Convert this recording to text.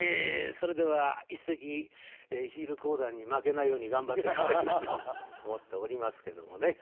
それでは一席ヒール講談に負けないように頑張っていこうかなと思っておりますけどもね。